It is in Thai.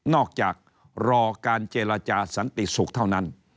จากรอการเจรจาสันติสุขเท่านั้น